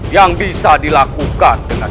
yang bisa dilakukan dengan